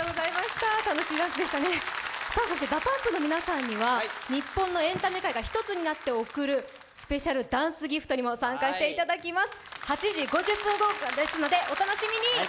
ＤＡＰＵＭＰの皆さんには、日本のエンタメ界が一つになって送るスペシャルダンスＧＩＦＴにも参加していただきます。